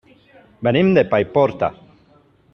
Venim de Paiporta.